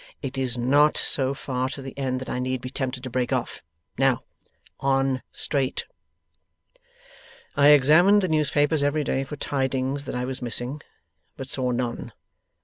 It is not so far to the end that I need be tempted to break off. Now, on straight! 'I examined the newspapers every day for tidings that I was missing, but saw none.